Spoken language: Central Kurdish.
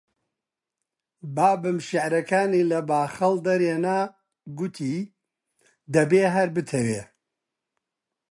بابم شیعرەکانی لە باخەڵ دەرێنا، گوتی: دەبێ هەر بتەوێ